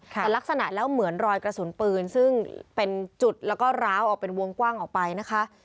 แต่ลักษณะแล้วเหมือนรอยกระสุนปืนซึ่งเป็นจุดแล้วก็ร้าวออกเป็นวงกว้างออกไปนะคะ